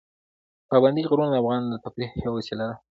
پابندی غرونه د افغانانو د تفریح یوه وسیله ده.